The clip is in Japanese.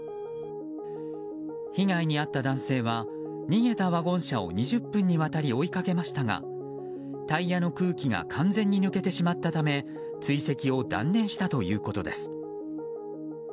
被害に遭った男性は逃げたワゴン車を２０分にわたり追いかけましたがタイヤの空気が完全に抜けてしまったため追跡を断念したということです。